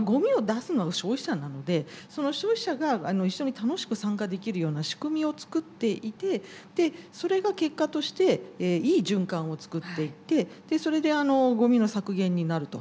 ごみを出すのは消費者なのでその消費者が一緒に楽しく参加できるような仕組みを作っていてそれが結果としていい循環を作っていってそれでごみの削減になると。